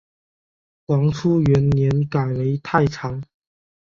黄初元年改为太常。